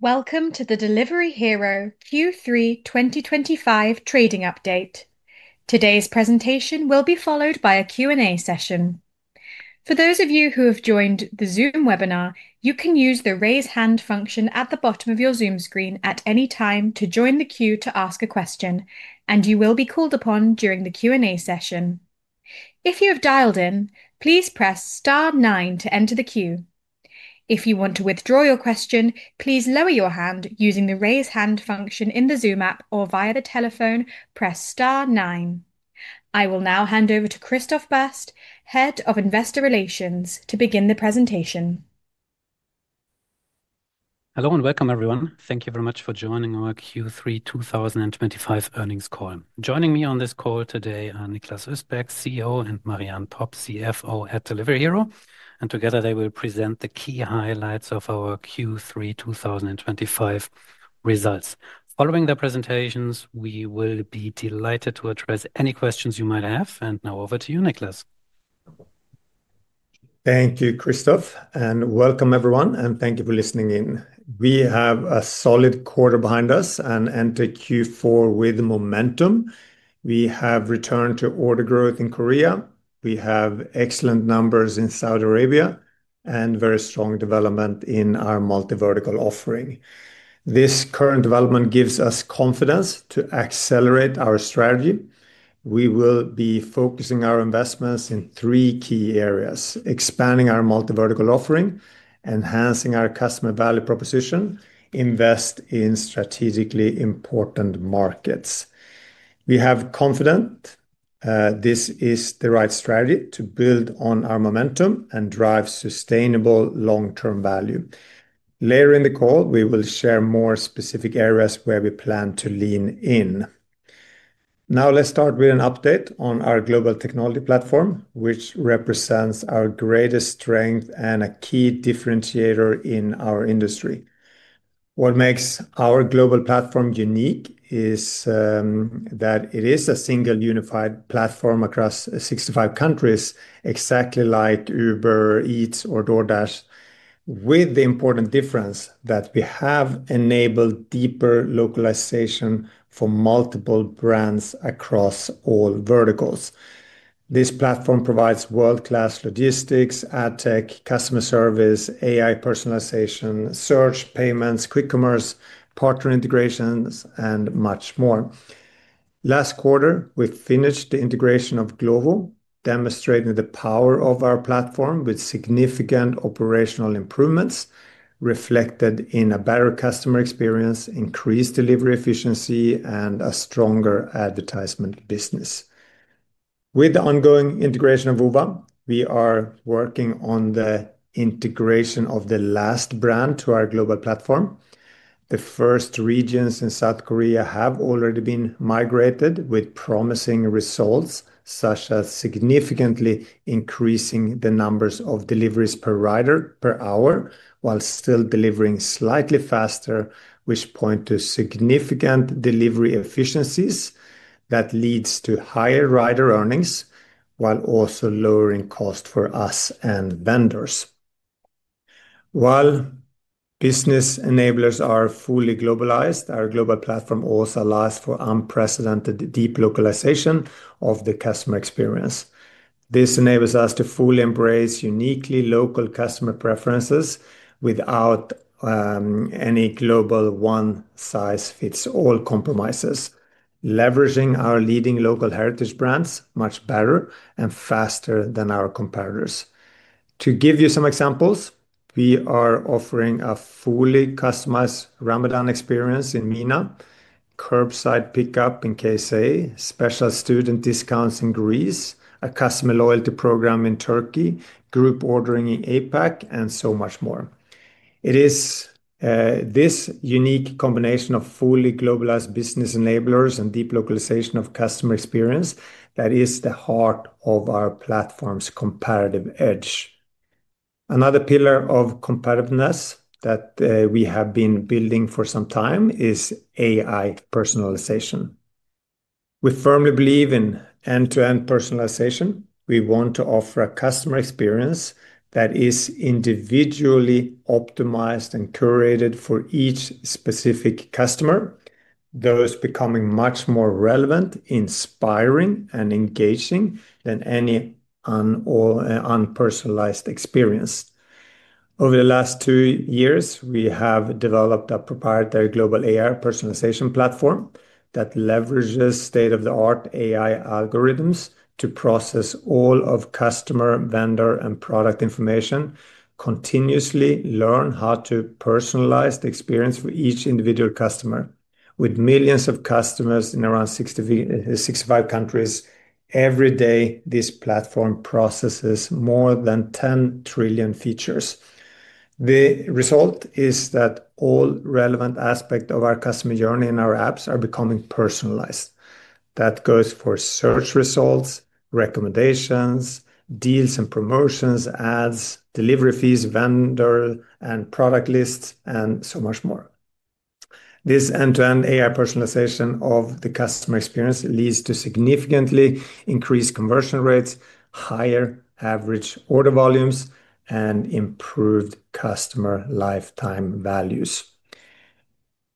Welcome to the Delivery Hero Q3 2025 trading update. Today's presentation will be followed by a Q&A session. For those of you who have joined the Zoom webinar, you can use the raise hand function at the bottom of your Zoom screen at any time to join the queue to ask a question, and you will be called upon during the Q&A session. If you have dialed in, please press star nine to enter the queue. If you want to withdraw your question, please lower your hand using the raise hand function in the Zoom app or via the telephone, press star nine. I will now hand over to Christoph Bast, Head of Investor Relations, to begin the presentation. Hello and welcome, everyone. Thank you very much for joining our Q3 2025 earnings call. Joining me on this call today are Niklas Östberg, CEO, and Marie-Anne Popp, CFO at Delivery Hero, and together they will present the key highlights of our Q3 2025 results. Following the presentations, we will be delighted to address any questions you might have, and now over to you, Niklas. Thank you, Christoph, and welcome, everyone, and thank you for listening in. We have a solid quarter behind us and entered Q4 with momentum. We have returned to order growth in Korea. We have excellent numbers in Saudi Arabia and very strong development in our multi-vertical offering. This current development gives us confidence to accelerate our strategy. We will be focusing our investments in three key areas: expanding our multi-vertical offering, enhancing our customer value proposition, and investing in strategically important markets. We have confidence this is the right strategy to build on our momentum and drive sustainable long-term value. Later in the call, we will share more specific areas where we plan to lean in. Now, let's start with an update on our global technology platform, which represents our greatest strength and a key differentiator in our industry. What makes our global platform unique is that it is a single unified platform across 65 countries, exactly like Uber Eats, or DoorDash, with the important difference that we have enabled deeper localization for multiple brands across all verticals. This platform provides world-class logistics, ad tech, customer service, AI personalization, search, payments, quick commerce, partner integrations, and much more. Last quarter, we finished the integration of Glovo, demonstrating the power of our platform with significant operational improvements reflected in a better customer experience, increased delivery efficiency, and a stronger advertisement business. With the ongoing integration of Uber, we are working on the integration of the last brand to our global platform. The first regions in South Korea have already been migrated with promising results, such as significantly increasing the numbers of deliveries per rider per hour while still delivering slightly faster, which points to significant delivery efficiencies that lead to higher rider earnings while also lowering costs for us and vendors. While business enablers are fully globalized, our global platform also allows for unprecedented deep localization of the customer experience. This enables us to fully embrace uniquely local customer preferences without any global one-size-fits-all compromises, leveraging our leading local heritage brands much better and faster than our competitors. To give you some examples, we are offering a fully customized Ramadan experience in MENA, Curbside Pickup in KSA, special Student Discounts in Greece, a Customer Loyalty Program in Turkey, Group Ordering in APAC, and so much more. It is this unique combination of fully globalized business enablers and deep localization of customer experience that is the heart of our platform's competitive edge. Another pillar of competitiveness that we have been building for some time is AI personalization. We firmly believe in end-to-end personalization. We want to offer a customer experience that is individually optimized and curated for each specific customer, thus becoming much more relevant, inspiring, and engaging than any unpersonalized experience. Over the last two years, we have developed a proprietary global AI personalization platform that leverages state-of-the-art AI algorithms to process all of customer, vendor, and product information, continuously learn how to personalize the experience for each individual customer. With millions of customers in around 65 countries, every day this platform processes more than 10 trillion features. The result is that all relevant aspects of our customer journey and our apps are becoming personalized. That goes for search results, recommendations, deals and promotions, ads, delivery fees, vendor and product lists, and so much more. This end-to-end AI personalization of the customer experience leads to significantly increased conversion rates, higher average order volumes, and improved customer lifetime values.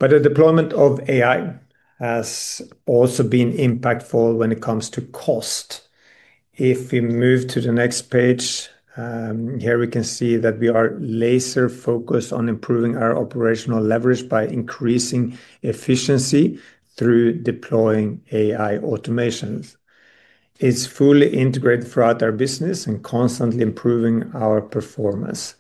The deployment of AI has also been impactful when it comes to cost. If we move to the next page, here we can see that we are laser-focused on improving our operational leverage by increasing efficiency through deploying AI automations. It is fully integrated throughout our business and constantly improving our performance.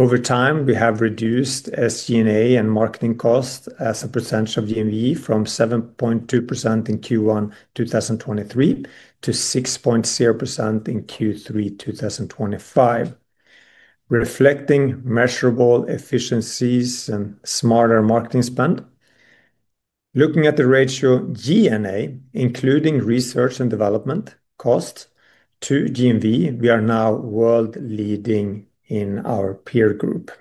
Over time, we have reduced SG&A and marketing costs as percentage of GMV from 7.2% in Q1 2023 to 6.0% in Q3 2025, reflecting measurable efficiencies and smarter marketing spend. Looking at the ratio G&A, including research and development costs to GMV, we are now world-leading in our peer group.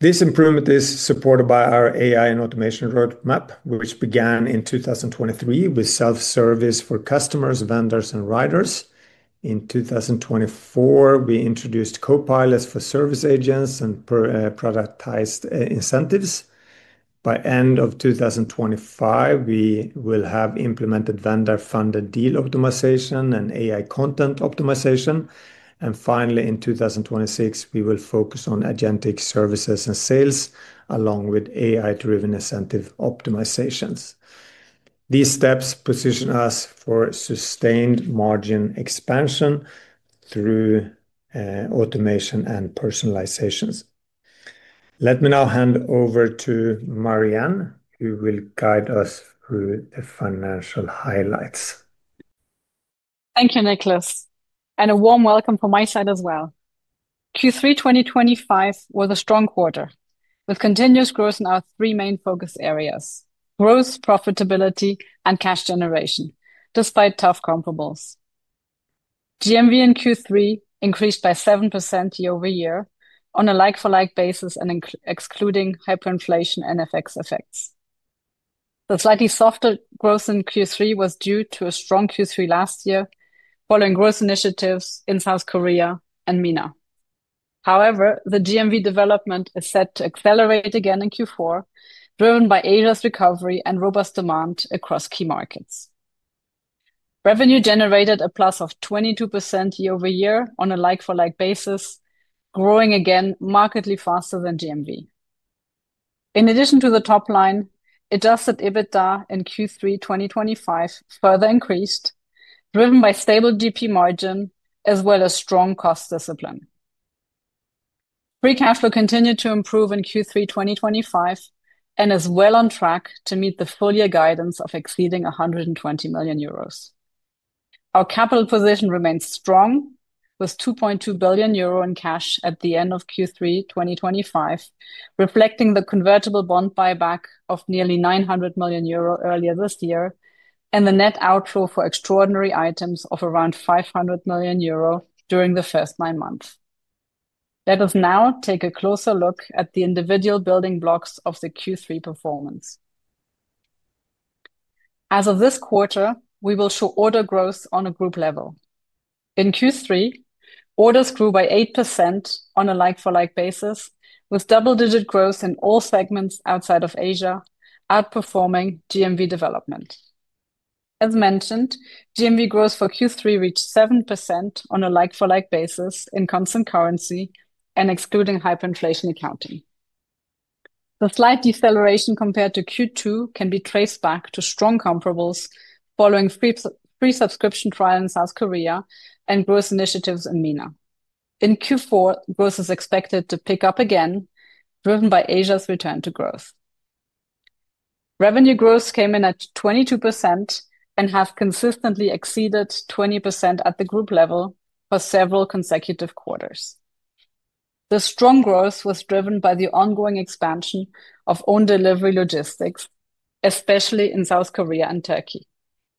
This improvement is supported by our AI and automation roadmap, which began in 2023 with self-service for customers, vendors, and riders. In 2024, we introduced Co-Pilots for service agents and productized incentives. By the end of 2025, we will have implemented vendor-funded deal optimization and AI content optimization. In 2026, we will focus on agentic services and sales along with AI-driven incentive optimizations. These steps position us for sustained margin expansion through automation and personalizations. Let me now hand over to Marie-Anne, who will guide us through the financial highlights. Thank you, Niklas, and a warm welcome from my side as well. Q3 2025 was a strong quarter with continuous growth in our three main focus areas: Growth, Profitability, and Cash Generation, despite tough comparables. GMV in Q3 increased by 7% year-over-year on a like-for-like basis, excluding hyperinflation and FX effects. The slightly softer growth in Q3 was due to a strong Q3 last year following growth initiatives in South Korea and MENA. However, the GMV development is set to accelerate again in Q4, driven by Asia's recovery and robust demand across key markets. Revenue generated a plus of 22% year-over-year on a like-for-like basis, growing again markedly faster than GMV. In addition to the top line, adjusted EBITDA in Q3 2025 further increased, driven by stable gross profit margin as well as strong cost discipline. Free cash flow continued to improve in Q3 2025 and is well on track to meet the full year guidance of exceeding 120 million euros. Our capital position remains strong, with 2.2 billion euro in cash at the end of Q3 2025, reflecting the convertible bond buyback of nearly 900 million euro earlier this year and the net outflow for extraordinary items of around 500 million euro during the first nine months. Let us now take a closer look at the individual building blocks of the Q3 performance. As of this quarter, we will show order growth on a group level. In Q3, orders grew by 8% on a like-for-like basis, with double-digit growth in all segments outside of Asia, outperforming GMV development. As mentioned, GMV growth for Q3 reached 7% on a like-for-like basis in constant currency and excluding hyperinflation accounting. The slight deceleration compared to Q2 can be traced back to strong comparables following pre-subscription trial in South Korea and growth initiatives in MENA. In Q4, growth is expected to pick up again, driven by Asia's return to growth. Revenue growth came in at 22% and has consistently exceeded 20% at the group level for several consecutive quarters. The strong growth was driven by the ongoing expansion of own delivery logistics, especially in South Korea and Turkey,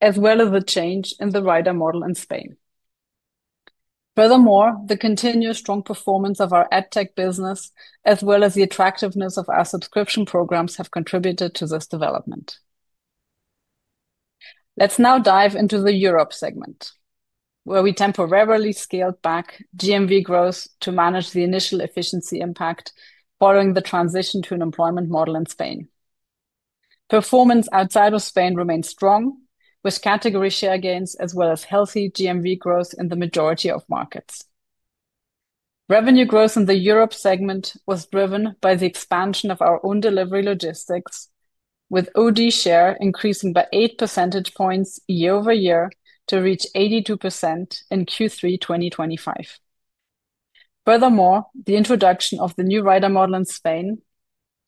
as well as the change in the rider model in Spain. Furthermore, the continued strong performance of our ad tech business, as well as the attractiveness of our subscription programs, have contributed to this development. Let's now dive into the Europe segment, where we temporarily scaled back GMV growth to manage the initial efficiency impact following the transition to an employment model in Spain. Performance outside of Spain remained strong, with category share gains as well as healthy GMV growth in the majority of markets. Revenue growth in the Europe segment was driven by the expansion of our own delivery logistics, with OD share increasing by 8 percentage points year-over-year to reach 82% in Q3 2025. Furthermore, the introduction of the new rider model in Spain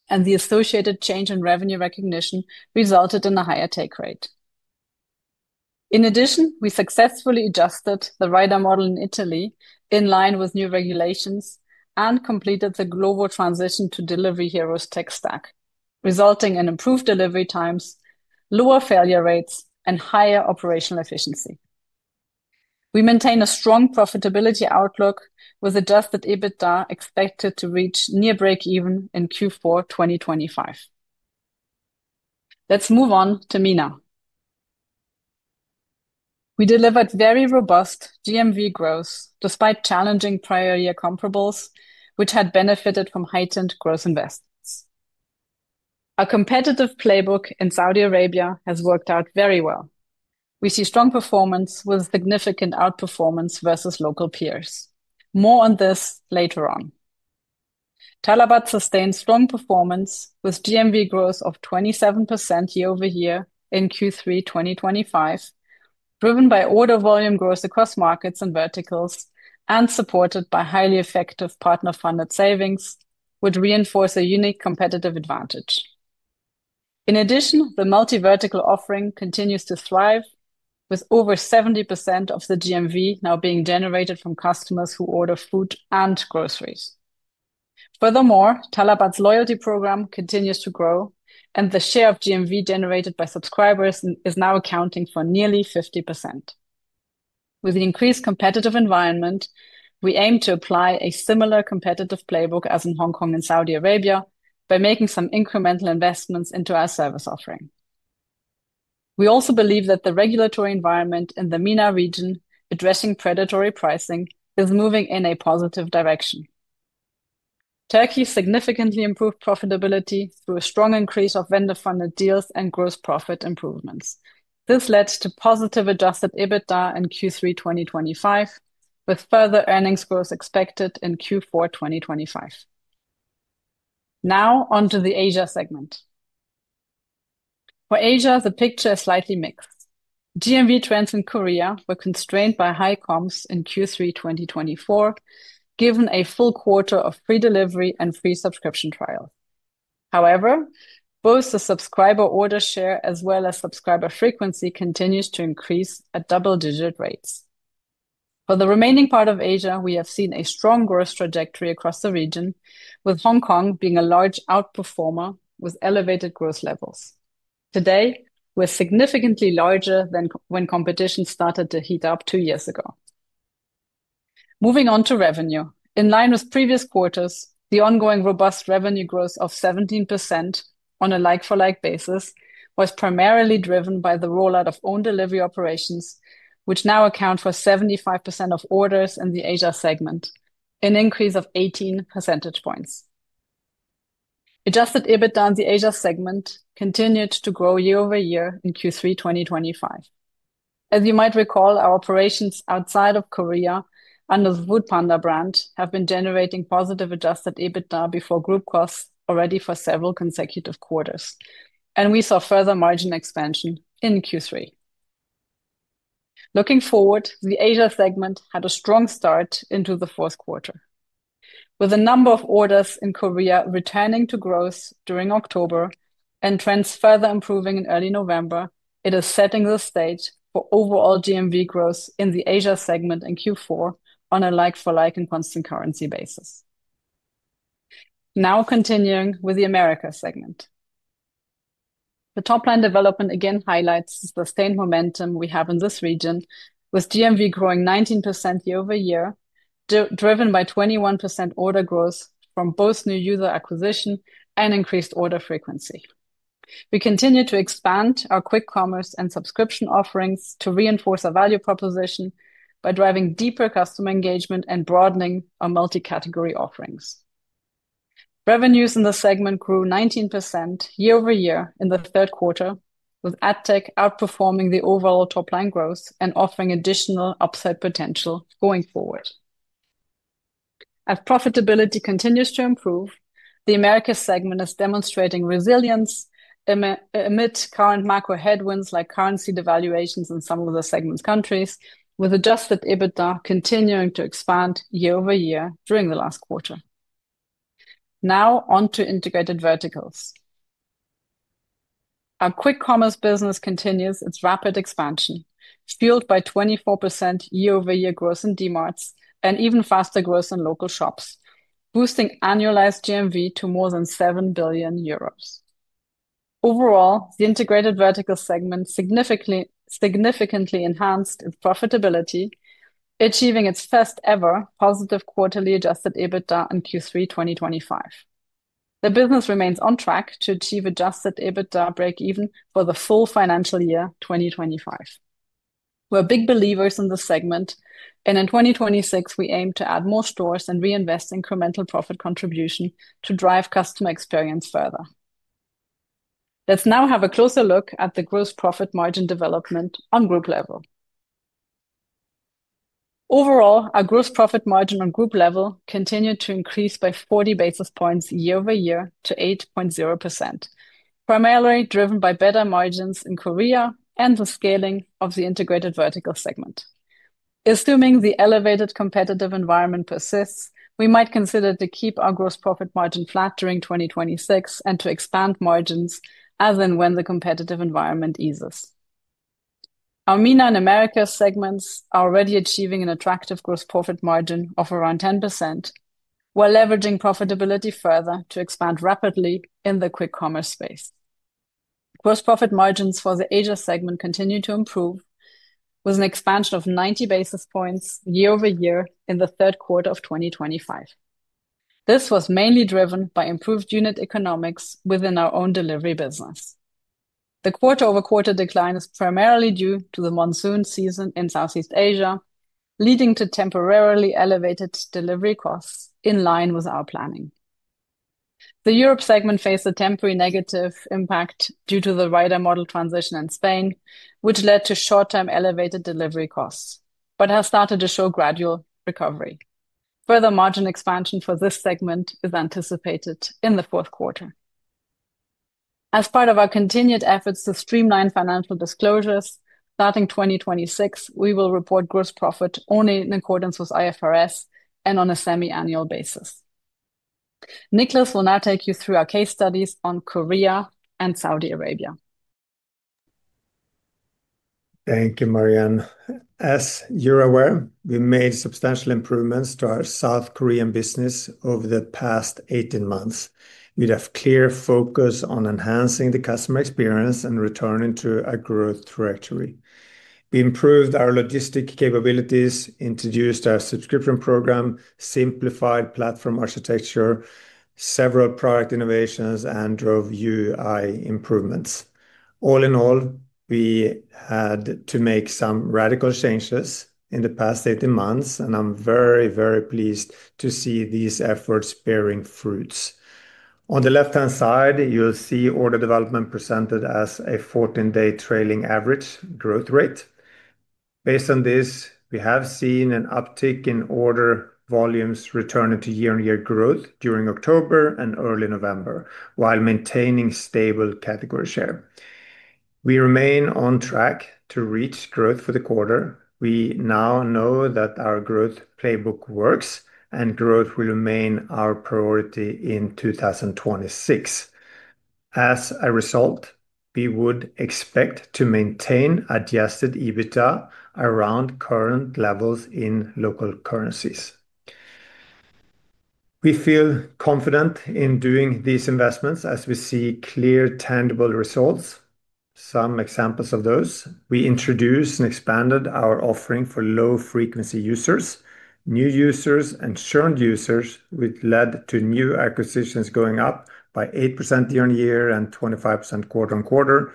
and the associated change in revenue recognition resulted in a higher take rate. In addition, we successfully adjusted the rider model in Italy in line with new regulations and completed the global transition to Delivery Hero's tech stack, resulting in improved delivery times, lower failure rates, and higher operational efficiency. We maintain a strong profitability outlook, with adjusted EBITDA expected to reach near break-even in Q4 2025. Let's move on to MENA. We delivered very robust GMV growth despite challenging prior year comparables, which had benefited from heightened growth investments. Our competitive playbook in Saudi Arabia has worked out very well. We see strong performance with significant outperformance versus local peers. More on this later on. talabat sustained strong performance with GMV growth of 27% year-over-year in Q3 2025, driven by order volume growth across markets and verticals and supported by highly effective partner-funded savings, which reinforce a unique competitive advantage. In addition, the multi-vertical offering continues to thrive, with over 70% of the GMV now being generated from customers who order food and groceries. Furthermore, talabat's loyalty program continues to grow, and the share of GMV generated by subscribers is now accounting for nearly 50%. With the increased competitive environment, we aim to apply a similar competitive playbook as in Hong Kong and Saudi Arabia by making some incremental investments into our service offering. We also believe that the regulatory environment in the MENA region addressing predatory pricing is moving in a positive direction. Turkey significantly improved profitability through a strong increase of vendor-funded deals and gross profit improvements. This led to positive adjusted EBITDA in Q3 2025, with further earnings growth expected in Q4 2025. Now on to the Asia segment. For Asia, the picture is slightly mixed. GMV trends in Korea were constrained by high comms in Q3 2024, given a full quarter of free delivery and free subscription trials. However, both the subscriber order share as well as subscriber frequency continues to increase at double-digit rates. For the remaining part of Asia, we have seen a strong growth trajectory across the region, with Hong Kong being a large outperformer with elevated growth levels. Today, we're significantly larger than when competition started to heat up two years ago. Moving on to revenue. In line with previous quarters, the ongoing robust revenue growth of 17% on a like-for-like basis was primarily driven by the rollout of own delivery operations, which now account for 75% of orders in the Asia segment, an increase of 18 percentage points. Adjusted EBITDA in the Asia segment continued to grow year-over-year in Q3 2025. As you might recall, our operations outside of Korea under the Foodpanda brand have been generating positive adjusted EBITDA before group costs already for several consecutive quarters, and we saw further margin expansion in Q3. Looking forward, the Asia segment had a strong start into the fourth quarter, with a number of orders in Korea returning to growth during October and trends further improving in early November. It is setting the stage for overall GMV growth in the Asia segment in Q4 on a like-for-like and constant currency basis. Now continuing with the America segment. The top line development again highlights the sustained momentum we have in this region, with GMV growing 19% year-over-year, driven by 21% order growth from both new user acquisition and increased order frequency. We continue to expand our quick commerce and subscription offerings to reinforce our value proposition by driving deeper customer engagement and broadening our multi-category offerings. Revenues in the segment grew 19% year-over-year in the third quarter, with ad tech outperforming the overall top line growth and offering additional upside potential going forward. As profitability continues to improve, the America segment is demonstrating resilience amid current macro headwinds like currency devaluations in some of the segment countries, with adjusted EBITDA continuing to expand year-over-year during the last quarter. Now on to integrated verticals. Our quick commerce business continues its rapid expansion, fueled by 24% year-over-year growth in Dmarts and even faster growth in local shops, boosting annualized GMV to more than 7 billion euros. Overall, the integrated vertical segment significantly enhanced its profitability, achieving its first-ever positive quarterly adjusted EBITDA in Q3 2025. The business remains on track to achieve adjusted EBITDA break-even for the full financial year 2025. We're big believers in the segment, and in 2026, we aim to add more stores and reinvest incremental profit contribution to drive customer experience further. Let's now have a closer look at the gross profit margin development on group level. Overall, our gross profit margin on group level continued to increase by 40 basis points year-over-year to 8.0%, primarily driven by better margins in Korea and the scaling of the integrated vertical segment. Assuming the elevated competitive environment persists, we might consider to keep our gross profit margin flat during 2026 and to expand margins as and when the competitive environment eases. Our MENA and America segments are already achieving an attractive gross profit margin of around 10%, while leveraging profitability further to expand rapidly in the quick commerce space. Gross profit margins for the Asia segment continue to improve with an expansion of 90 basis points year-over-year in the third quarter of 2025. This was mainly driven by improved unit economics within our own delivery business. The quarter-over-quarter decline is primarily due to the monsoon season in Southeast Asia, leading to temporarily elevated delivery costs in line with our planning. The Europe segment faced a temporary negative impact due to the rider model transition in Spain, which led to short-term elevated delivery costs, but has started to show gradual recovery. Further margin expansion for this segment is anticipated in the fourth quarter. As part of our continued efforts to streamline financial disclosures, starting 2026, we will report gross profit only in accordance with IFRS and on a semi-annual basis. Niklas will now take you through our case studies on Korea and Saudi Arabia. Thank you, Marie-Anne. As you're aware, we made substantial improvements to our South Korean business over the past 18 months. We'd have clear focus on enhancing the customer experience and returning to a growth trajectory. We improved our logistic capabilities, introduced our subscription program, simplified platform architecture, several product innovations, and drove UI improvements. All in all, we had to make some radical changes in the past 18 months, and I'm very, very pleased to see these efforts bearing fruits. On the left-hand side, you'll see order development presented as a 14-day trailing average growth rate. Based on this, we have seen an uptick in order volumes returning to year-on-year growth during October and early November, while maintaining stable category share. We remain on track to reach growth for the quarter. We now know that our growth playbook works, and growth will remain our priority in 2026. As a result, we would expect to maintain adjusted EBITDA around current levels in local currencies. We feel confident in doing these investments as we see clear, tangible results. Some examples of those: we introduced and expanded our offering for low-frequency users, new users, and churned users, which led to new acquisitions going up by 8% year-on-year and 25% quarter-on-quarter,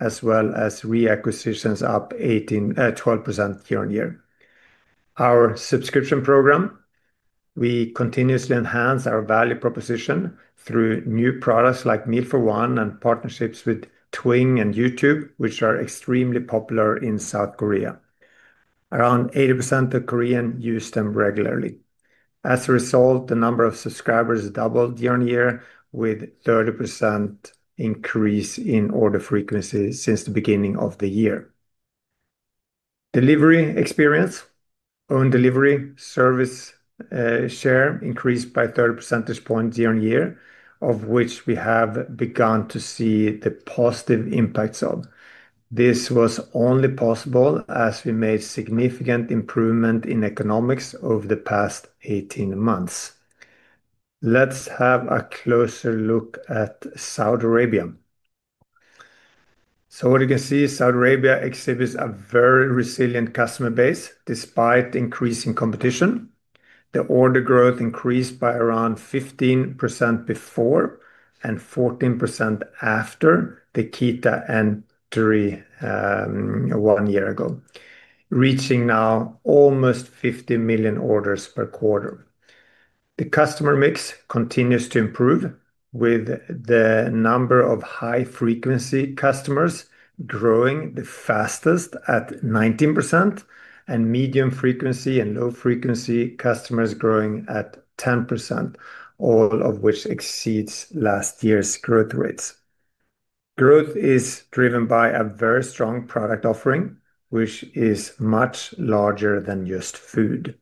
as well as reacquisitions up 12% year-on-year. Our subscription program: we continuously enhance our value proposition through new products like Meal for One and partnerships with Tving and YouTube, which are extremely popular in South Korea. Around 80% of Koreans use them regularly. As a result, the number of subscribers doubled year-on-year, with a 30% increase in order frequency since the beginning of the year. Delivery experience: own delivery service share increased by 30 percentage points year-on-year, of which we have begun to see the positive impacts of. This was only possible as we made significant improvement in economics over the past 18 months. Let's have a closer look at Saudi Arabia. What you can see, Saudi Arabia exhibits a very resilient customer base despite increasing competition. The order growth increased by around 15% before and 14% after the Keeta entry one year ago, reaching now almost 50 million orders per quarter. The customer mix continues to improve, with the number of high-frequency customers growing the fastest at 19%, and medium-frequency and low-frequency customers growing at 10%, all of which exceeds last year's growth rates. Growth is driven by a very strong product offering, which is much larger than just food.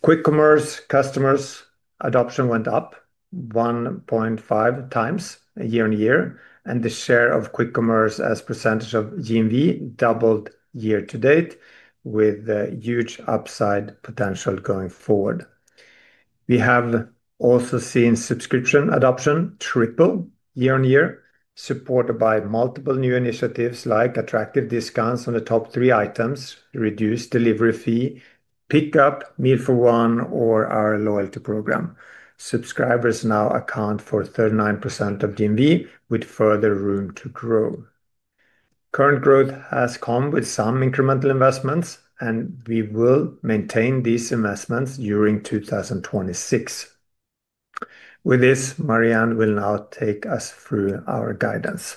Quick commerce customers' adoption went up 1.5x year-on-year, and the share of quick commerce as a percentage of GMV doubled year-to-date, with a huge upside potential going forward. We have also seen subscription adoption triple year-on-year, supported by multiple new initiatives like attractive discounts on the top three items, reduced delivery fee, pick-up, Meal for One, or our loyalty program. Subscribers now account for 39% of GMV, with further room to grow. Current growth has come with some incremental investments, and we will maintain these investments during 2026. With this, Marie-Anne will now take us through our guidance.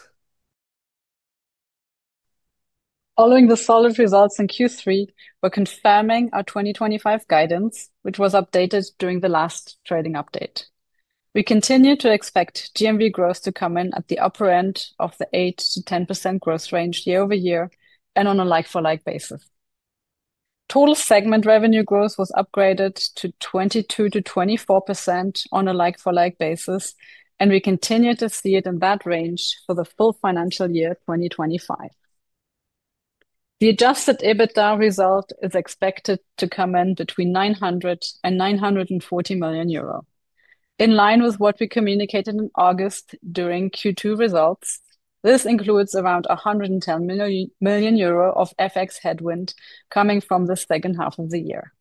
Following the solid results in Q3, we're confirming our 2025 guidance, which was updated during the last trading update. We continue to expect GMV growth to come in at the upper end of the 8%-10% growth range year-over-year and on a like-for-like basis. Total Segment Revenue growth was upgraded to 22%-24% on a like-for-like basis, and we continue to see it in that range for the full financial year 2025. The adjusted EBITDA result is expected to come in between 900 million euro and 940 million euro. In line with what we communicated in August during Q2 results, this includes around 110 million euro of FX headwind coming from the second half of the year.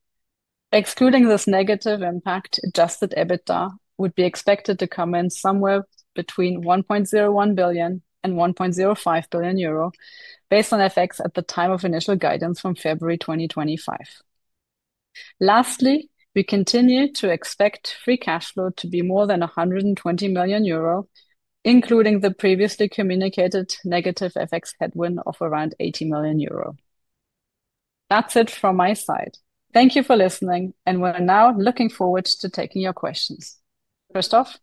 Excluding this negative impact, adjusted EBITDA would be expected to come in somewhere between 1.01 billion and 1.05 billion euro, based on FX at the time of initial guidance from February 2025. Lastly, we continue to expect free cash flow to be more than 120 million euro, including the previously communicated negative FX headwind of around 80 million euro. That is it from my side. Thank you for listening, and we are now looking forward to taking your questions. Christoph?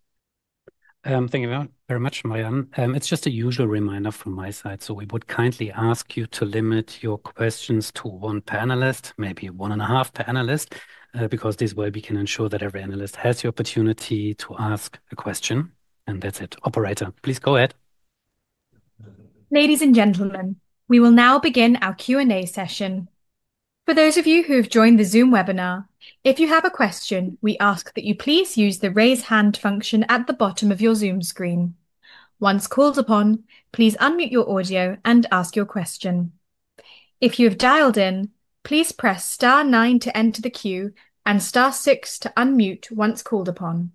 Thank you very much, Marie-Anne. It's just a usual reminder from my side, so we would kindly ask you to limit your questions to one panelist, maybe one and a half panelists, because this way we can ensure that every analyst has the opportunity to ask a question. That is it. Operator, please go ahead. Ladies and gentlemen, we will now begin our Q&A session. For those of you who have joined the Zoom webinar, if you have a question, we ask that you please use the raise hand function at the bottom of your Zoom screen. Once called upon, please unmute your audio and ask your question. If you have dialed in, please press star nine to enter the queue and star six to unmute once called upon.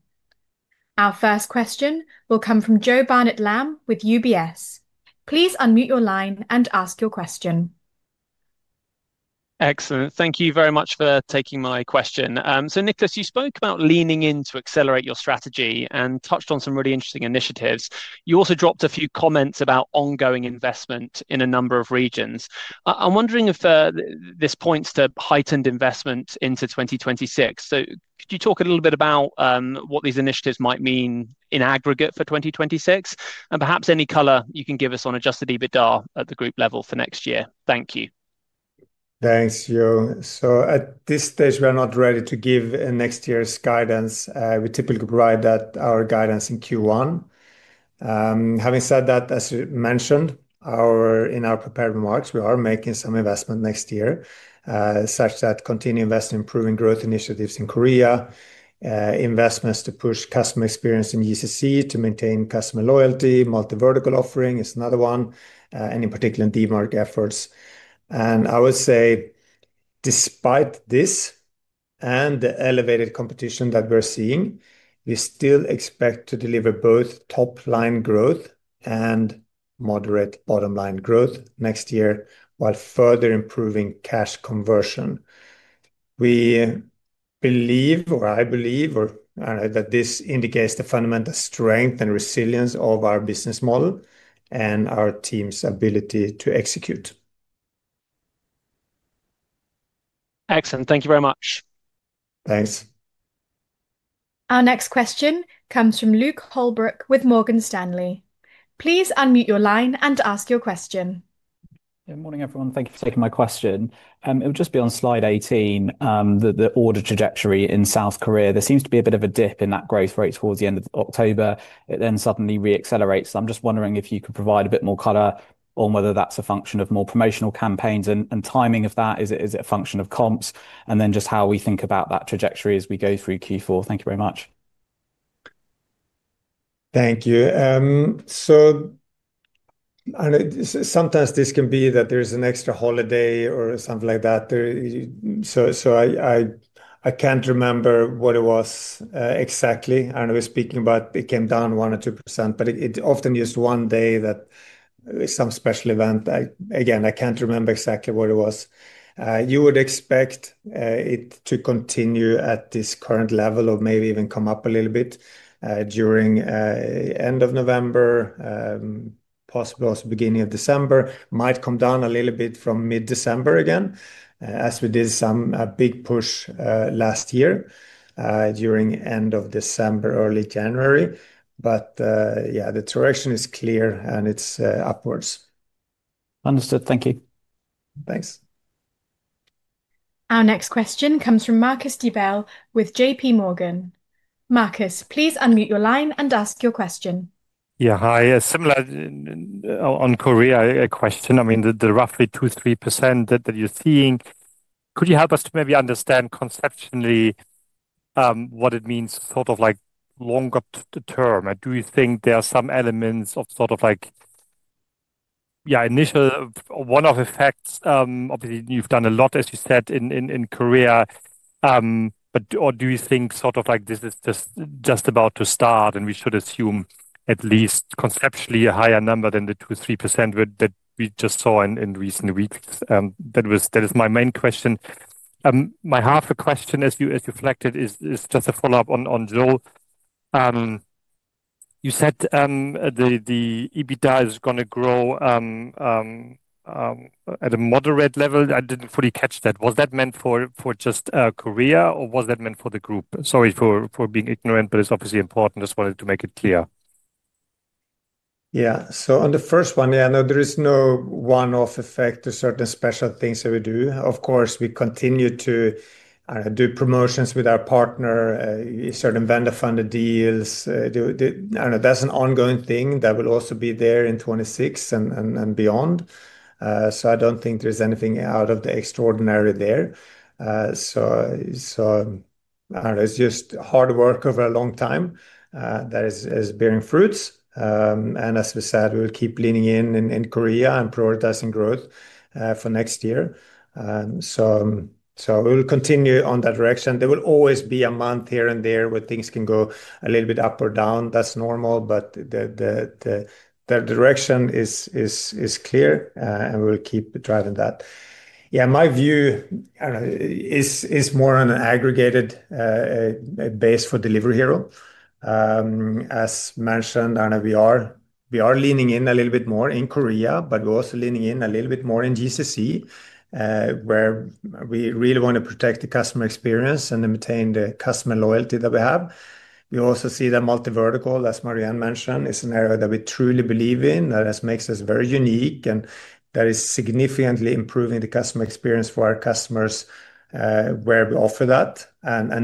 Our first question will come from Joe Barnet-Lamb with UBS. Please unmute your line and ask your question. Excellent. Thank you very much for taking my question. So Niklas, you spoke about leaning in to accelerate your strategy and touched on some really interesting initiatives. You also dropped a few comments about ongoing investment in a number of regions. I'm wondering if this points to heightened investment into 2026. Could you talk a little bit about what these initiatives might mean in aggregate for 2026, and perhaps any color you can give us on adjusted EBITDA at the group level for next year? Thank you. Thanks, Joe. At this stage, we're not ready to give next year's guidance. We typically provide our guidance in Q1. Having said that, as you mentioned in our prepared remarks, we are making some investment next year, such as continuing investment in improving growth initiatives in Korea, investments to push customer experience in UCC to maintain customer loyalty, multi-vertical offering is another one, and in particular, Dmart efforts. I would say, despite this and the elevated competition that we're seeing, we still expect to deliver both top-line growth and moderate bottom-line growth next year, while further improving cash conversion. We believe, or I believe, that this indicates the fundamental strength and resilience of our business model and our team's ability to execute. Excellent. Thank you very much. Thanks. Our next question comes from Luke Holbrook with Morgan Stanley. Please unmute your line and ask your question. Good morning, everyone. Thank you for taking my question. It would just be on slide 18, the order trajectory in South Korea. There seems to be a bit of a dip in that growth rate towards the end of October. It then suddenly reaccelerates. I'm just wondering if you could provide a bit more color on whether that's a function of more promotional campaigns and timing of that. Is it a function of comps? Then just how we think about that trajectory as we go through Q4. Thank you very much. Thank you. Sometimes this can be that there's an extra holiday or something like that. I can't remember what it was exactly. I know we're speaking about it came down one or two percent, but it's often just one day that it's some special event. I can't remember exactly what it was. You would expect it to continue at this current level or maybe even come up a little bit during the end of November, possibly also beginning of December. It might come down a little bit from mid-December again, as we did some big push last year during the end of December, early January. Yeah, the direction is clear and it's upwards. Understood. Thank you. Thanks. Our next question comes from Marcus Diebel with JPMorgan. Marcus, please unmute your line and ask your question. Yeah, hi. Similar on Korea, a question. I mean, the roughly 2%-3% that you're seeing, could you help us to maybe understand conceptually what it means sort of like longer term? Do you think there are some elements of sort of like, yeah, initial one-off effects? Obviously, you've done a lot, as you said, in Korea. Do you think this is just about to start and we should assume at least conceptually a higher number than the 2%-3% that we just saw in recent weeks? That is my main question. My half a question, as you reflected, is just a follow-up on Joe. You said the EBITDA is going to grow at a moderate level. I did not fully catch that. Was that meant for just Korea or was that meant for the group? Sorry for being ignorant, but it is obviously important. Just wanted to make it clear. Yeah. On the first one, yeah, no, there is no one-off effect or certain special things that we do. Of course, we continue to do promotions with our partner, certain vendor-funded deals. I do not know. That is an ongoing thing that will also be there in 2026 and beyond. I don't think there's anything out of the extraordinary there. I don't know. It's just hard work over a long time that is bearing fruits. As we said, we'll keep leaning in in Korea and prioritizing growth for next year. We'll continue on that direction. There will always be a month here and there where things can go a little bit up or down. That's normal. The direction is clear and we'll keep driving that. Yeah, my view, I don't know, is more on an aggregated base for Delivery Hero. As mentioned, we are leaning in a little bit more in Korea, but we're also leaning in a little bit more in GCC, where we really want to protect the customer experience and maintain the customer loyalty that we have. We also see that multi-vertical, as Marie-Anne mentioned, is an area that we truly believe in, that makes us very unique, and that is significantly improving the customer experience for our customers where we offer that.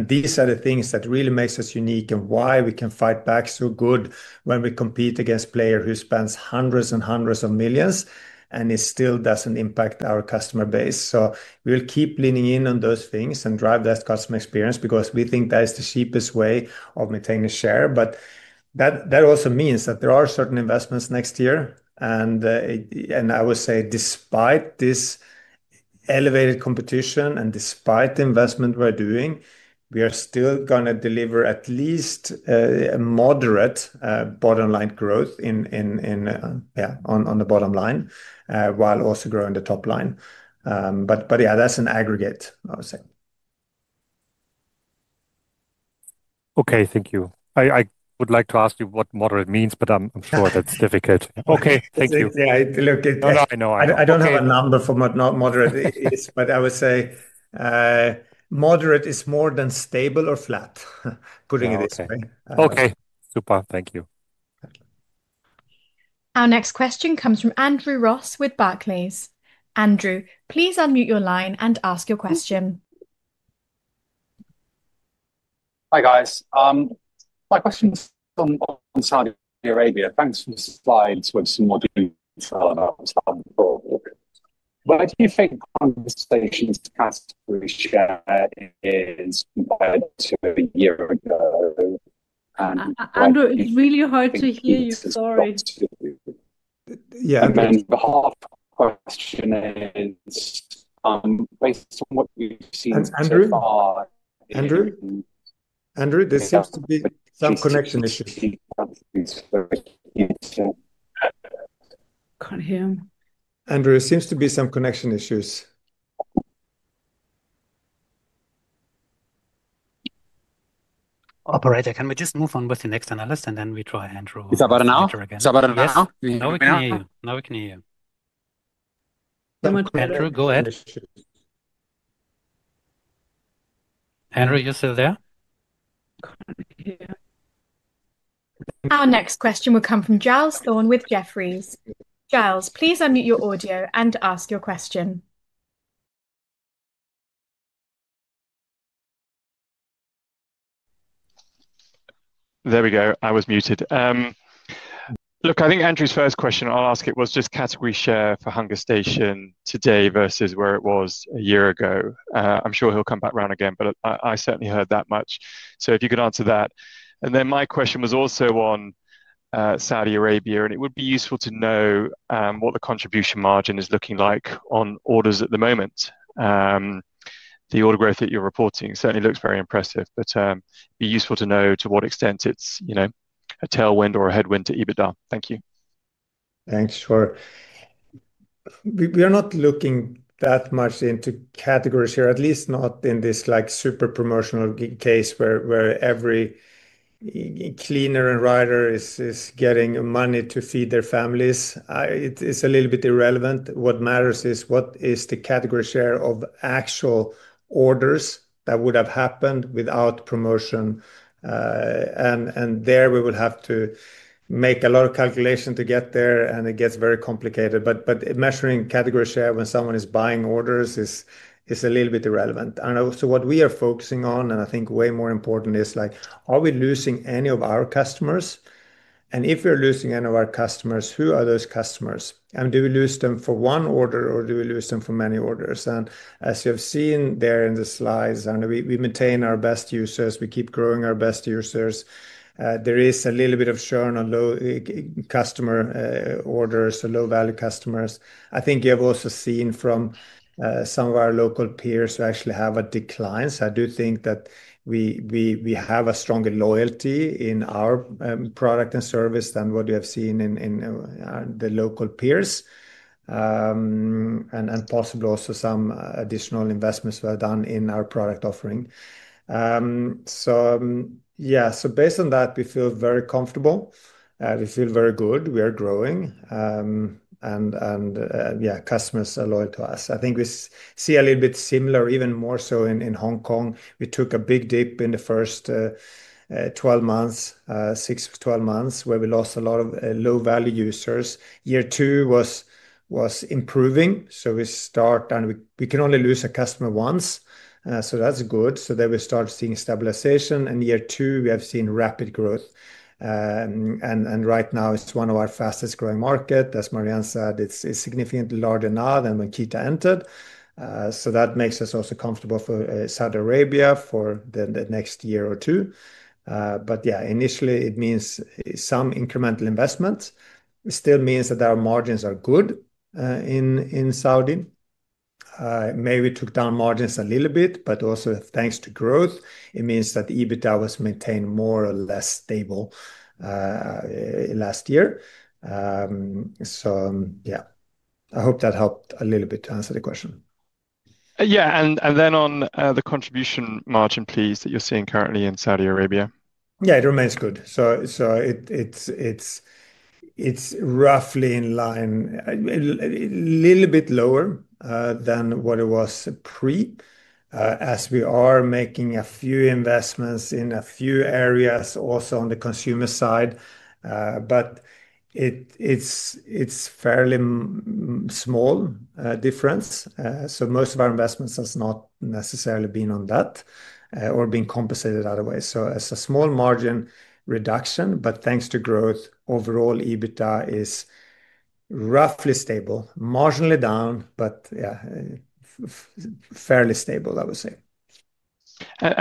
These are the things that really make us unique and why we can fight back so good when we compete against a player who spends hundreds and hundreds of millions and still does not impact our customer base. We will keep leaning in on those things and drive that customer experience because we think that is the cheapest way of maintaining share. That also means that there are certain investments next year. I would say, despite this elevated competition and despite the investment we are doing, we are still going to deliver at least a moderate bottom-line growth on the bottom line while also growing the top line. But yeah, that's an aggregate, I would say. Okay, thank you. I would like to ask you what moderate means, but I'm sure that's difficult. Okay, thank you. Yeah, look, I don't have a number for what moderate is, but I would say moderate is more than stable or flat, putting it this way. Okay, super. Thank you. Our next question comes from Andrew Ross with Barclays. Andrew, please unmute your line and ask your question. Hi guys. My question is from Saudi Arabia. Thanks for the slides with some more detail about Saudi Arabia. Why do you think conversations past with Shia is compared to a year ago? Andrew, it's really hard to hear you. Sorry. Yeah, again, the hard question is based on what we've seen so far. Andrew? Andrew, there seems to be some connection issues. Can't hear him. Andrew, it seems to be some connection issues. Operator, can we just move on with the next analyst and then we try Andrew? Is that better now? No, we can hear you. [crosstak] Andrew, go ahead. Andrew, you are still there? Our next question will come from Giles Thorne with Jefferies. Giles, please unmute your audio and ask your question. There we go. I was muted. Look, I think Andrew's first question, I will ask it, was just category share for Hungerstation today versus where it was a year ago. I am sure he will come back around again, but I certainly heard that much. If you could answer that. My question was also on Saudi Arabia, and it would be useful to know what the contribution margin is looking like on orders at the moment. The order growth that you're reporting certainly looks very impressive, but it'd be useful to know to what extent it's a tailwind or a headwind to EBITDA. Thank you. Thanks for. We are not looking that much into categories here, at least not in this super promotional case where every cleaner and rider is getting money to feed their families. It's a little bit irrelevant. What matters is what is the category share of actual orders that would have happened without promotion. And there we would have to make a lot of calculation to get there, and it gets very complicated. But measuring category share when someone is buying orders is a little bit irrelevant. Also, what we are focusing on, and I think way more important, is are we losing any of our customers? If we're losing any of our customers, who are those customers? Do we lose them for one order, or do we lose them for many orders? As you have seen there in the slides, we maintain our best users. We keep growing our best users. There is a little bit of churn on low-customer orders, low-value customers. I think you have also seen from some of our local peers who actually have a decline. I do think that we have a stronger loyalty in our product and service than what you have seen in the local peers. Possibly also some additional investments were done in our product offering. Based on that, we feel very comfortable. We feel very good. We are growing. Customers are loyal to us. I think we see a little bit similar, even more so in Hong Kong. We took a big dip in the first 12 months, 6 to 12 months, where we lost a lot of low-value users. Year two was improving. We start, and we can only lose a customer once. That is good. We start seeing stabilization. Year two, we have seen rapid growth. Right now, it is one of our fastest growing markets. As Marie-Anne said, it is significantly larger now than when Keeta entered. That makes us also comfortable for Saudi Arabia for the next year or two. Initially, it means some incremental investment. It still means that our margins are good in Saudi. Maybe we took down margins a little bit, but also thanks to growth, it means that EBITDA was maintained more or less stable last year. I hope that helped a little bit to answer the question. Yeah. On the contribution margin, please, that you're seeing currently in Saudi Arabia. Yeah, it remains good. It's roughly in line, a little bit lower than what it was pre, as we are making a few investments in a few areas also on the consumer side. It's a fairly small difference. Most of our investments have not necessarily been on that or have been compensated otherwise. It's a small margin reduction, but thanks to growth, overall EBITDA is roughly stable, marginally down, but yeah, fairly stable, I would say.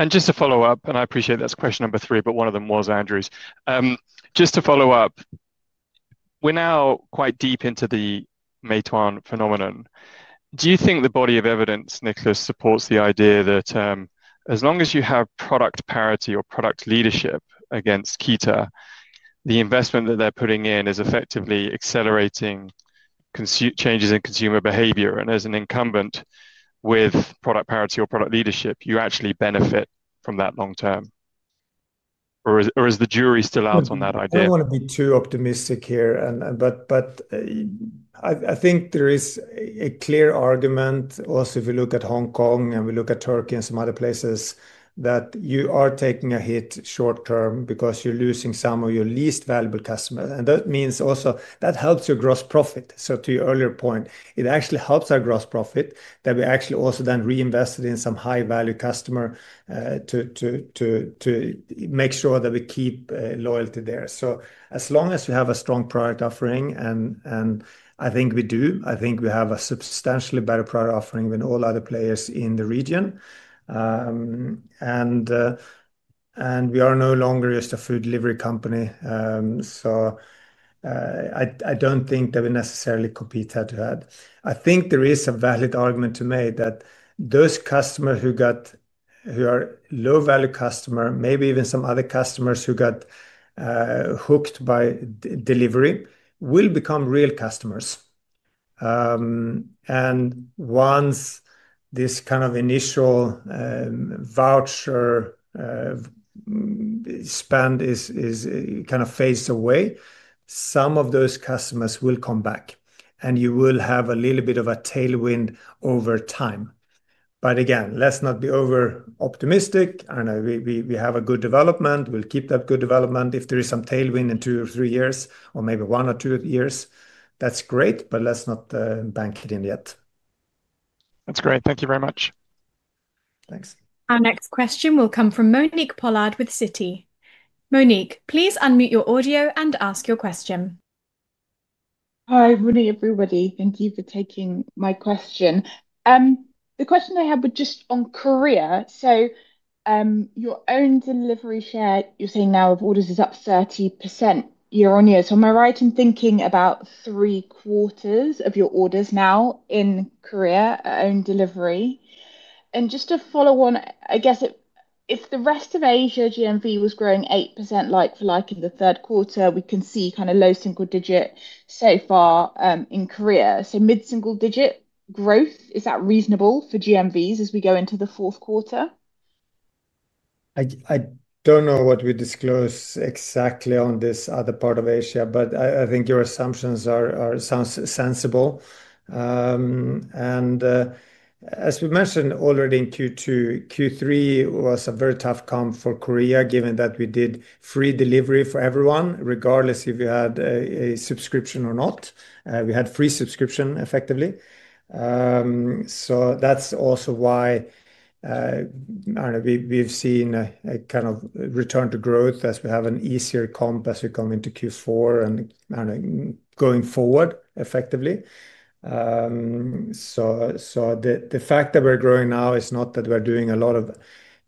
Just to follow up, and I appreciate that's question number three, but one of them was Andrew's. Just to follow up, we're now quite deep into the Meituan phenomenon. Do you think the body of evidence, Niklas, supports the idea that as long as you have product parity or product leadership against Keeta, the investment that they're putting in is effectively accelerating changes in consumer behavior? As an incumbent with product parity or product leadership, you actually benefit from that long-term? Is the jury still out on that idea? I do not want to be too optimistic here, but I think there is a clear argument. Also, if you look at Hong Kong and we look at Turkey and some other places, you are taking a hit short-term because you are losing some of your least valuable customers. That means also that helps your gross profit. To your earlier point, it actually helps our gross profit that we actually also then reinvested in some high-value customer to make sure that we keep loyalty there. As long as we have a strong product offering, and I think we do, I think we have a substantially better product offering than all other players in the region. We are no longer just a food delivery company. I do not think that we necessarily compete head-to-head. I think there is a valid argument to make that those customers who are low-value customers, maybe even some other customers who got hooked by delivery, will become real customers. Once this kind of initial voucher spend is kind of phased away, some of those customers will come back, and you will have a little bit of a tailwind over time. Again, let's not be over-optimistic. I do not know. We have a good development. We will keep that good development. If there is some tailwind in two or three years, or maybe one or two years, that's great, but let's not bank it in yet. That's great. Thank you very much. Thanks. Our next question will come from Monique Pollard with Citi. Monique, please unmute your audio and ask your question. Hi, Monique, everybody. Thank you for taking my question. The question I have was just on Korea. So your own delivery share, you're saying now of orders is up 30% year on year. So am I right in thinking about three quarters of your orders now in Korea own delivery? And just to follow on, I guess if the rest of Asia GMV was growing 8% like-for-like in the third quarter, we can see kind of low single digit so far in Korea. So mid-single digit growth, is that reasonable for GMVs as we go into the fourth quarter? I don't know what we disclose exactly on this other part of Asia, but I think your assumptions are sensible. As we mentioned already in Q2, Q3 was a very tough comp for Korea, given that we did free delivery for everyone, regardless if you had a subscription or not. We had free subscription, effectively. That is also why we've seen a kind of return to growth as we have an easier comp as we come into Q4 and going forward, effectively. The fact that we're growing now is not that we're doing a lot of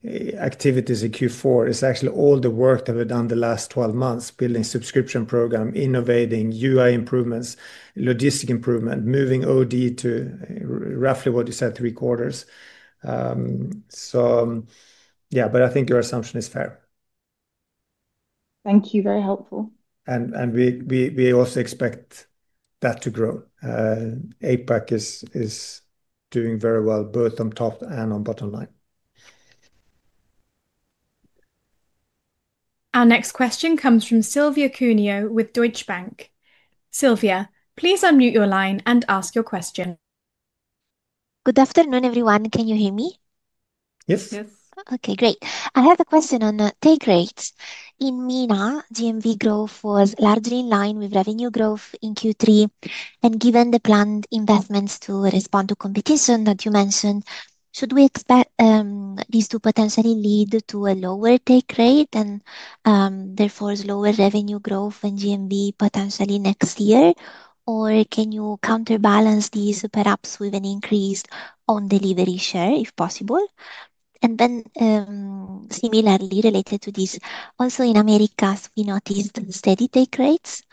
activities in Q4. It's actually all the work that we've done the last 12 months, building subscription program, innovating, UI improvements, logistic improvement, moving OD to roughly what you said, three quarters. I think your assumption is fair. Thank you. Very helpful. We also expect APAC to grow. APAC is doing very well, both on top and on bottom line. Our next question comes from Silvia Cuneo with Deutsche Bank. Silvia, please unmute your line and ask your question. Good afternoon, everyone. Can you hear me? Yes. Yes. Okay, great. I have a question on take rates. In MENA, GMV growth was largely in line with revenue growth in Q3. Given the planned investments to respond to competition that you mentioned, should we expect these to potentially lead to a lower take rate and therefore lower revenue growth and GMV potentially next year? Can you counterbalance these perhaps with an increase on delivery share, if possible? Similarly related to this, also in America, we noticed steady take rates.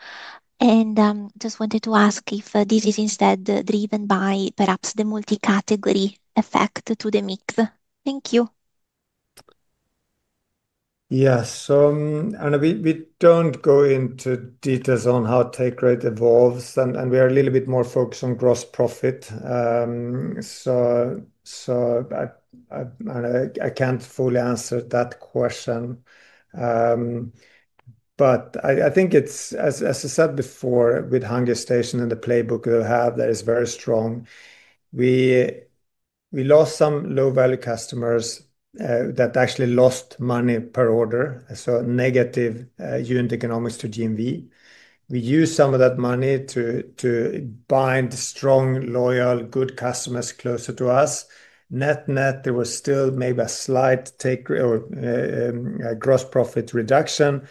I just wanted to ask if this is instead driven by perhaps the multi-category effect to the mix. Thank you. Yes. We do not go into details on how take rate evolves, and we are a little bit more focused on gross profit. I cannot fully answer that question. I think, as I said before, with Hungerstation and the playbook that we have, that is very strong. We lost some low-value customers that actually lost money per order, so negative unit economics to GMV. We used some of that money to bind strong, loyal, good customers closer to us. Net net, there was still maybe a slight take or gross profit reduction.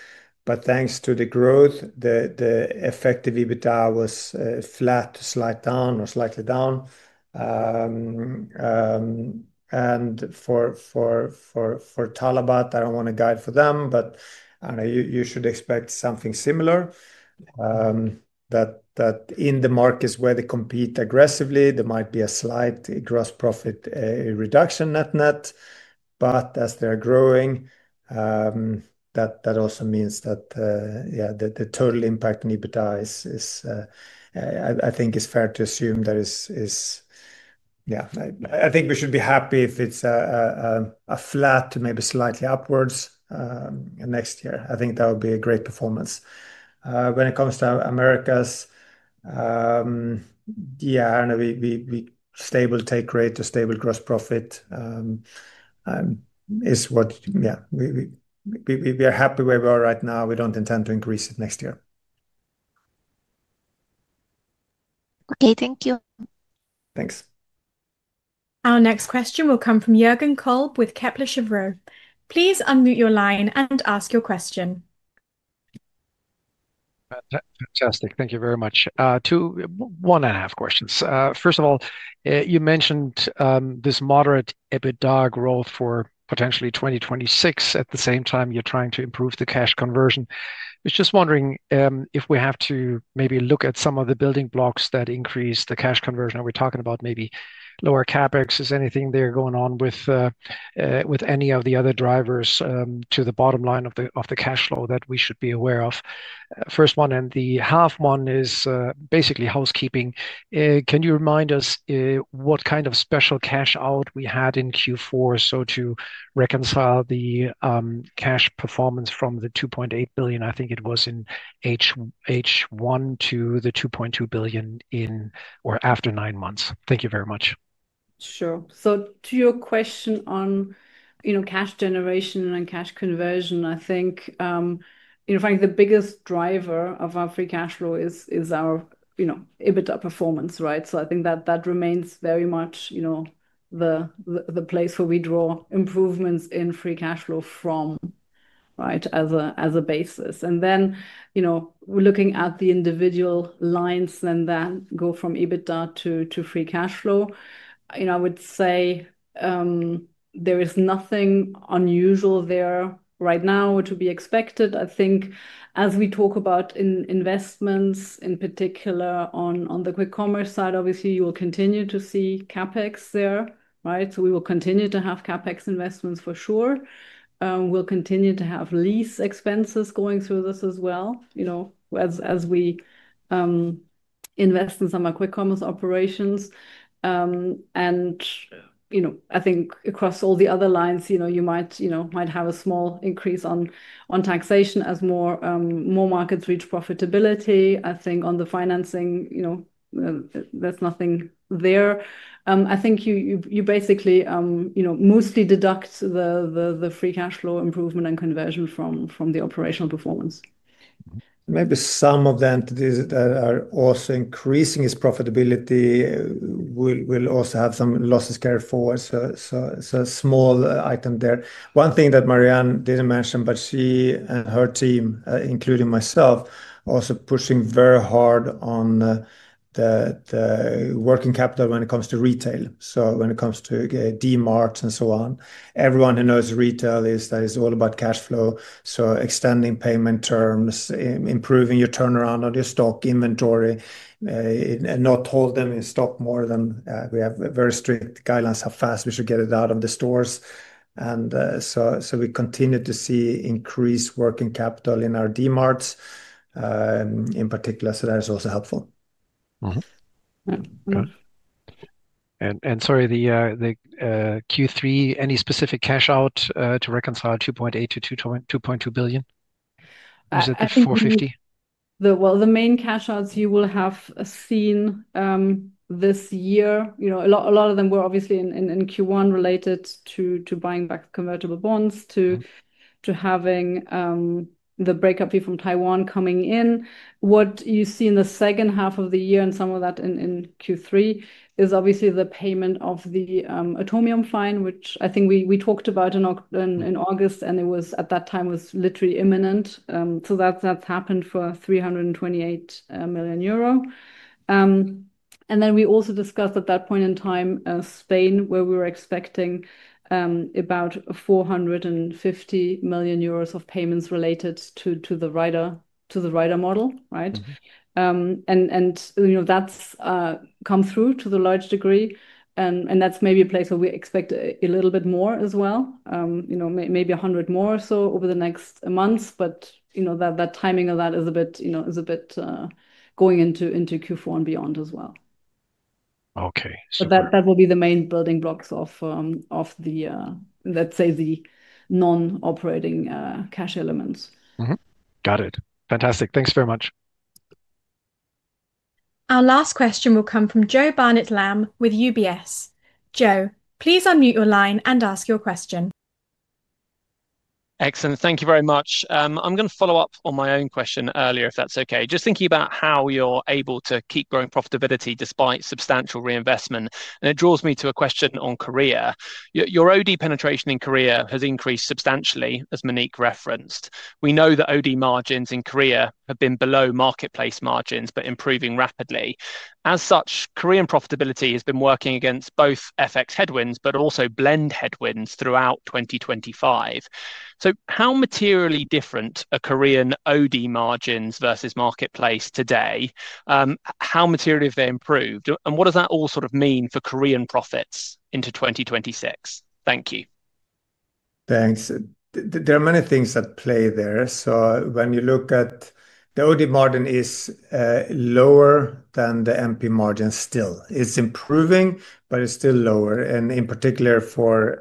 Thanks to the growth, the effective EBITDA was flat, slight down, or slightly down. For talabat, I do not want to guide for them, but you should expect something similar. In the markets where they compete aggressively, there might be a slight gross profit reduction net net. As they are growing, that also means that, yeah, the total impact on EBITDA, I think, is fair to assume that is, yeah, I think we should be happy if it is flat, maybe slightly upwards next year. I think that would be a great performance. When it comes to Americas, yeah, I do not know, stable take rate to stable gross profit is what, yeah, we are happy where we are right now. We do not intend to increase it next year. Okay, thank you. Thanks. Our next question will come from Jürgen Kolb with Kepler Cheuvreux. Please unmute your line and ask your question. Fantastic. Thank you very much. Two, one-and-a-half questions. First of all, you mentioned this moderate EBITDA growth for potentially 2026. At the same time, you are trying to improve the cash conversion. I was just wondering if we have to maybe look at some of the building blocks that increase the cash conversion. Are we talking about maybe lower CapEx? Is anything there going on with any of the other drivers to the bottom line of the cash flow that we should be aware of? First one, and the half one is basically housekeeping. Can you remind us what kind of special cash out we had in Q4? To reconcile the cash performance from the 2.8 billion, I think it was in H1, to the 2.2 billion in or after nine months. Thank you very much. Sure. To your question on cash generation and cash conversion, I think the biggest driver of our free cash flow is our EBITDA performance, right? I think that remains very much the place where we draw improvements in free cash flow from, right, as a basis. Then looking at the individual lines that go from EBITDA to free cash flow, I would say there is nothing unusual there right now to be expected. I think as we talk about investments, in particular on the quick commerce side, obviously, you will continue to see CapEx there, right? We will continue to have CapEx investments for sure. We will continue to have lease expenses going through this as well as we invest in some of our quick commerce operations. I think across all the other lines, you might have a small increase on taxation as more markets reach profitability. I think on the financing, there is nothing there. I think you basically mostly deduct the free cash flow improvement and conversion from the operational performance. Maybe some of the entities that are also increasing is profitability. We'll also have some losses carried forward. Small item there. One thing that Marie-Anne didn't mention, but she and her team, including myself, are also pushing very hard on the working capital when it comes to retail. When it comes to Dmarts and so on, everyone who knows retail is that it's all about cash flow. Extending payment terms, improving your turnaround on your stock inventory, and not hold them in stock more than we have very strict guidelines how fast we should get it out of the stores. We continue to see increased working capital in our Dmarts in particular. That is also helpful. Sorry, the Q3, any specific cash out to reconcile 2.8 billion-2.2 billion? Was it the 450 million? The main cash outs you will have seen this year, a lot of them were obviously in Q1 related to buying back convertible bonds, to having the breakup fee from Taiwan coming in. What you see in the second half of the year and some of that in Q3 is obviously the payment of the atomium fine, which I think we talked about in August, and at that time it was literally imminent. That has happened for 328 million euro. We also discussed at that point in time, Spain, where we were expecting about 450 million euros of payments related to the rider model, right? That has come through to a large degree. That's maybe a place where we expect a little bit more as well, maybe 100 more or so over the next months. That timing of that is a bit going into Q4 and beyond as well. Okay. That will be the main building blocks of the, let's say, the non-operating cash elements. Got it. Fantastic. Thanks very much. Our last question will come from Joe Barnet-Lamb with UBS. Joe, please unmute your line and ask your question. Excellent. Thank you very much. I'm going to follow up on my own question earlier, if that's okay. Just thinking about how you're able to keep growing profitability despite substantial reinvestment. It draws me to a question on Korea. Your OD penetration in Korea has increased substantially, as Monique referenced. We know that OD margins in Korea have been below marketplace margins, but improving rapidly. As such, Korean profitability has been working against both FX headwinds, but also blend headwinds throughout 2025. How materially different are Korean OD margins versus marketplace today? How materially have they improved? What does that all sort of mean for Korean profits into 2026? Thank you. Thanks. There are many things at play there. When you look at the OD margin, it is lower than the MP margin still. It is improving, but it is still lower. In particular for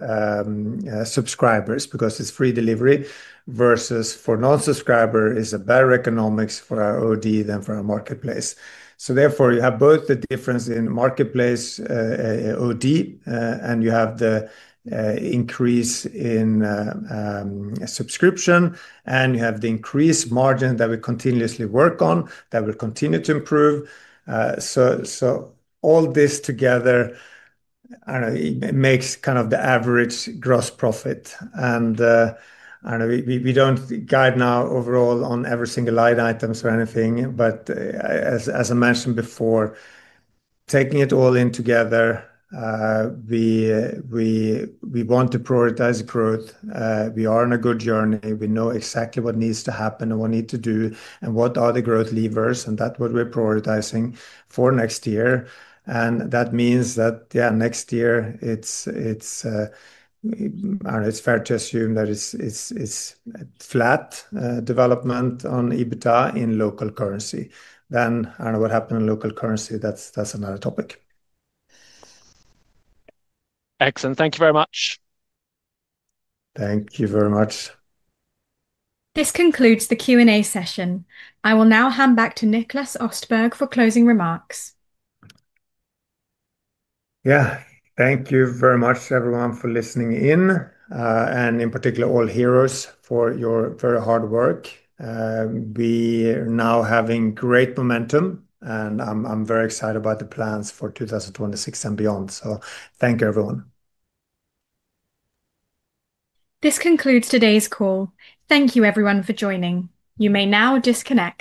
subscribers, because it is free delivery versus for non-subscriber, it is a better economics for our OD than for our marketplace. Therefore, you have both the difference in marketplace OD, and you have the increase in subscription, and you have the increased margin that we continuously work on, that will continue to improve. All this together, it makes kind of the average gross profit. We do not guide now overall on every single line items or anything, but as I mentioned before, taking it all in together, we want to prioritize growth. We are on a good journey. We know exactly what needs to happen and what we need to do and what are the growth levers. That is what we are prioritizing for next year. That means that, yeah, next year, it is fair to assume that it is flat development on EBITDA in local currency. I do not know what happens in local currency. That is another topic. Excellent. Thank you very much. Thank you very much. This concludes the Q&A session. I will now hand back to Niklas Östberg for closing remarks. Yeah, thank you very much, everyone, for listening in. And in particular, all heroes for your very hard work. We are now having great momentum, and I'm very excited about the plans for 2026 and beyond. Thank you, everyone. This concludes today's call. Thank you, everyone, for joining. You may now disconnect.